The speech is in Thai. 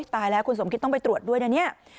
ตายแล้วคุณสมคิดต้องไปตรวจด้วยนะเนี่ย